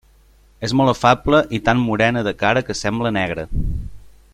És molt afable i tan morena de cara que sembla negra.